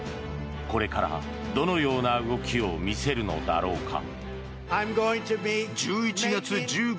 これからどのような動きを見せるのだろうか。